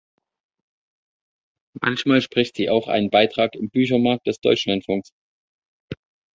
Manchmal spricht sie auch einen Beitrag im "Büchermarkt" des Deutschlandfunks.